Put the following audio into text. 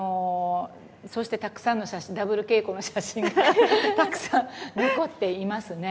そしてたくさんの写真、ダブルけいこの写真がたくさん残っていますね。